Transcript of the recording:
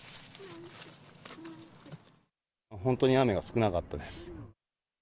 本当に雨が少なかったです。